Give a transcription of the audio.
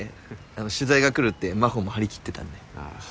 取材が来るって真帆も張り切ってたんで。